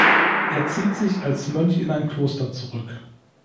Er zieht sich als Mönch in ein Kloster zurück.